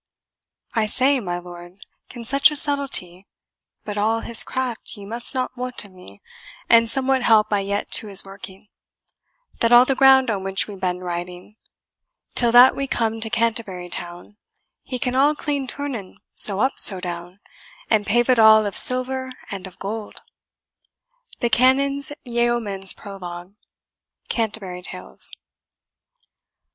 I say, my lord, can such a subtilty (But all his craft ye must not wot of me, And somewhat help I yet to his working), That all the ground on which we ben riding, Till that we come to Canterbury town, He can all clean turnen so up so down, And pave it all of silver and of gold. THE CANON'S YEOMAN'S PROLOGUE, CANTERBURY TALES.